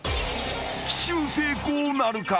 ［奇襲成功なるか？］